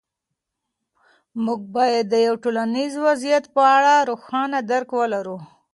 موږ باید د یو ټولنیز وضعیت په اړه روښانه درک ولرو.